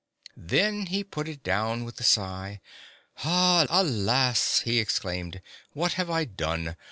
Then he put it down with a sigh. "Alas!" he exclaimed, " what have I done?